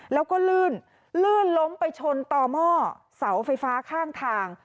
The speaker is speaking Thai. แล้วก็ลื่นลื่นล้มไปชนต่อหม้อเสาไฟฟ้าข้างทาง